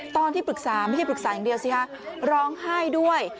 ตอนที่ปรึกษาไม่ใช่ปรึกษาอย่างเดียวสิฮะร้องไห้ด้วย